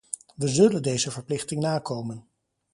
We zullen deze verplichting nakomen.